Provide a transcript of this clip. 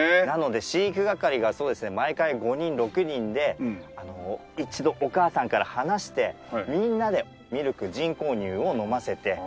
なので飼育係がそうですね毎回５人６人で一度お母さんから離してみんなでミルク人工乳を飲ませて。